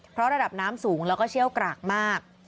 เพราะระดับน้ำสูงแล้วก็เชี่ยวกรากมาก